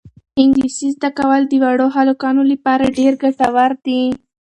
انګلیسي زده کول د وړو هلکانو لپاره ډېر ګټور دي.